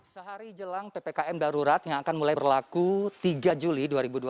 sehari jelang ppkm darurat yang akan mulai berlaku tiga juli dua ribu dua puluh